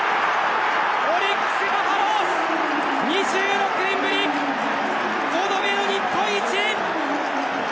オリックス・バファローズ２６年ぶり５度目の日本一！